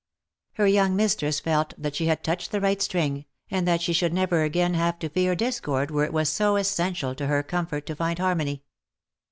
Her young mistress felt that she had touched the right string, and that she should never again have to fear discord where it was so essential to her comfort to find harmony.